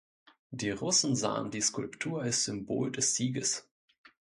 Die Russen sahen die Skulptur als Symbol des Sieges.